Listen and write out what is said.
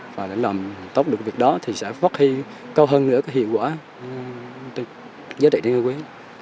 và làm tốc được việc đó thì sẽ phát hiện cầu hơn nữa cái hiệu quả giá trị tinh dầu quế